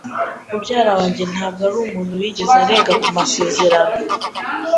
Mubyara wanjye ntabwo arumuntu wigeze arenga ku masezerano.